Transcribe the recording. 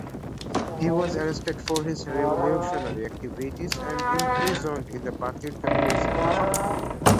He was arrested for his revolutionary activities and imprisoned in the Butyrka prison.